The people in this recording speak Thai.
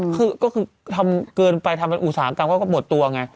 คือก็คือทำเกินไปทำเป็นอุตสาหกรรมเขาก็หมดตัวไง